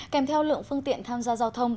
kèm theo lượng phương tiện tham gia giao thông